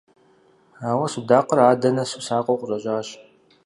Ауэ судакъыр адэ нэсу, сакъыу къыщӀэкӀащ.